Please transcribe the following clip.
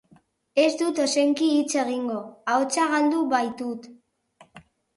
Ez dut ozenki hitz egingo, ahotsa galdu baitut.